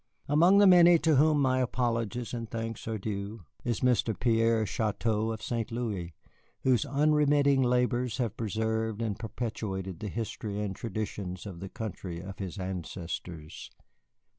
Among the many to whom my apologies and thanks are due is Mr. Pierre Chouteau of St. Louis, whose unremitting labors have preserved and perpetuated the history and traditions of the country of his ancestors.